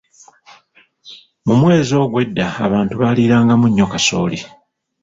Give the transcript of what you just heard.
Mu mwezi ogwo edda abantu baalirangamu nnyo kasooli.